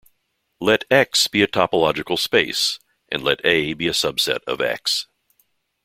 Let "X" be a topological space, and let "A" be a subset of "X".